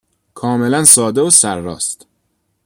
کاملا ساده و سر راست.